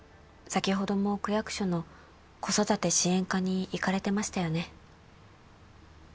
先ほども区役所の子育て支援課に行かれてましたよね